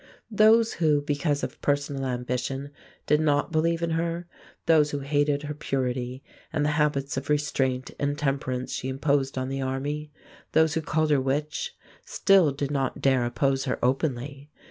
Those who, because of personal ambition, did not believe in her, those who hated her purity and the habits of restraint and temperance she imposed on the army, those who called her witch, still did not dare oppose her openly.